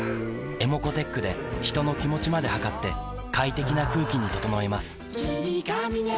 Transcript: ｅｍｏｃｏーｔｅｃｈで人の気持ちまで測って快適な空気に整えます